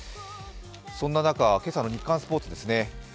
そんな中、今朝の「日刊スポーツ」ですね。